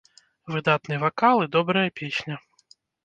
Выдатны вакал і добрая песня.